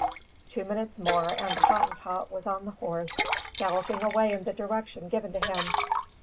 Two minutes more and the Hottentot was on the horse, galloping away in the direction given to him.